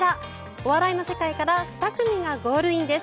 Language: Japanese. お笑いの世界から２組がゴールインです。